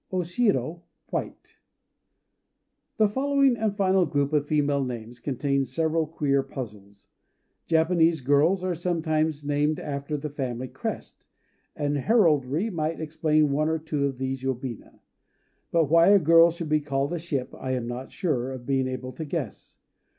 O Shiro "White." The following and final group of female names contains several queer puzzles. Japanese girls are sometimes named after the family crest; and heraldry might explain one or two of these yobina. But why a girl should be called a ship, I am not sure of being able to guess.